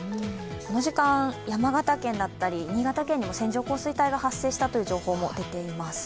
この時間、山形県だったり新潟県にも線状降水帯が発生したという情報があります。